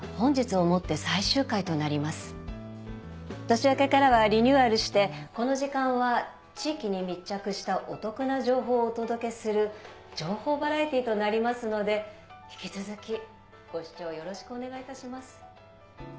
年明けからはリニューアルしてこの時間は地域に密着したお得な情報をお届けする情報バラエティーとなりますので引き続きご視聴よろしくお願いいたします。